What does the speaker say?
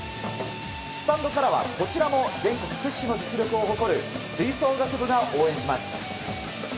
スタンドからはこちらも全国屈指の実力を誇る吹奏楽部が応援します。